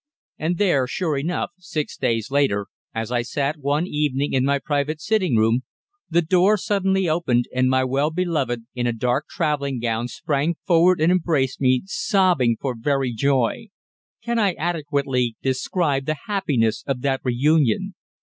And there, sure enough, six days later, as I sat one evening in my private sitting room, the door suddenly opened and my well beloved, in a dark travelling gown, sprang forward and embraced me, sobbing for very joy. Can I adequately describe the happiness of that reunion.